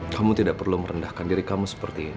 kamu tidak perlu merendahkan diri kamu seperti ini